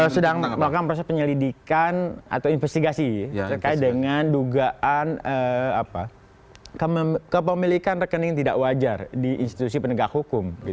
sedang melakukan proses penyelidikan atau investigasi terkait dengan dugaan kepemilikan rekening tidak wajar di institusi penegak hukum